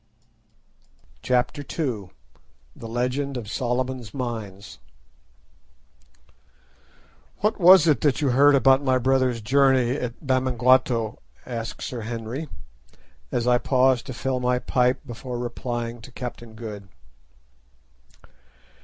CHAPTER II. THE LEGEND OF SOLOMON'S MINES "What was it that you heard about my brother's journey at Bamangwato?" asked Sir Henry, as I paused to fill my pipe before replying to Captain Good.